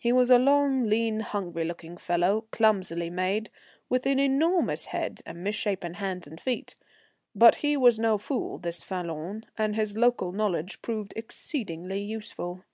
He was a long, lean, hungry looking fellow, clumsily made, with an enormous head and misshapen hands and feet; but he was no fool this Falloon, and his local knowledge proved exceedingly useful.